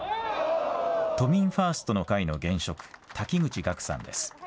都民ファーストの会の現職、滝口学さんです。